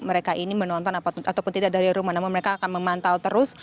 mereka ini menonton ataupun tidak dari rumah namun mereka akan memantau terus